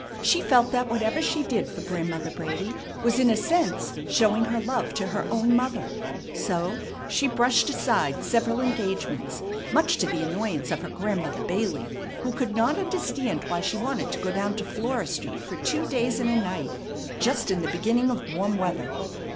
She felt that whatever she did for Grandmother Brady was in a sense showing her love to her own mother; so she brushed aside several engagements, much to the annoyance of her Grandmother Bailey, who could not understand why she wanted to go down to Flora Street for two days and a night just in the beginning of warm weather.